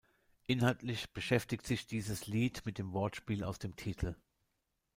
Inhaltlich beschäftigt sich dieses Lied mit dem Wortspiel aus dem Titel.